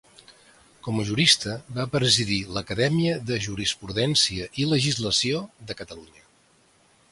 Com a jurista va presidir l'Acadèmia de Jurisprudència i Legislació de Catalunya.